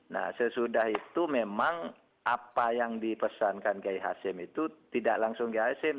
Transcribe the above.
nah sesudah itu memang apa yang dipesankan ke hashim itu tidak langsung ke hashim